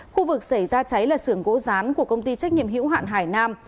khu vực xảy ra cháy là sưởng gỗ gián của công ty trách nhiệm hiểu hạn hải nam